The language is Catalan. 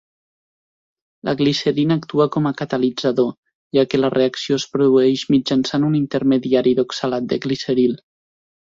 La glicerina actua com a catalitzador, ja que la reacció es produeix mitjançant un intermediari d'oxalat de gliceril.